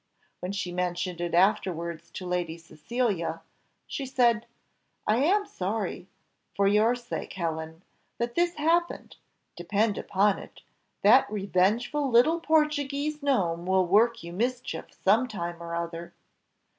When she mentioned it afterwards to Lady Cecilia, she said "I am sorry, for your sake, Helen, that this happened; depend upon it, that revengeful little Portuguese gnome will work you mischief some time or other."